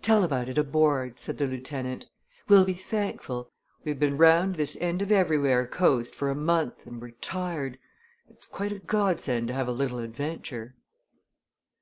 "Tell about it aboard," said the lieutenant. "We'll be thankful we've been round this end of everywhere coast for a month and we're tired. It's quite a Godsend to have a little adventure."